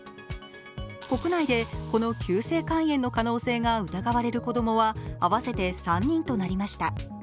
国内で、この急性肝炎の可能性が疑われる子供は合わせて３人となりました。